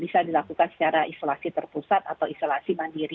bisa dilakukan secara isolasi terpusat atau isolasi mandiri